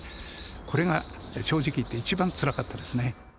これが正直いって一番つらかったですね。